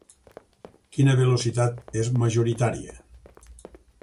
Quina velocitat és majoritària?